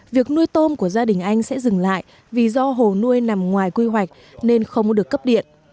việc nuôi tôm của gia đình anh sẽ dừng lại vì do hồ nuôi nằm ngoài quy hoạch nên không được cấp điện